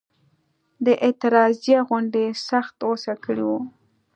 د اعتراضیه غونډې سخت غوسه کړي وو.